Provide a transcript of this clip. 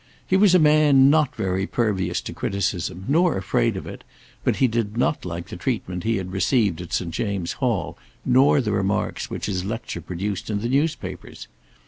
He was a man not very pervious to criticism, nor afraid of it, but he did not like the treatment he had received at St. James's Hall, nor the remarks which his lecture produced in the newspapers.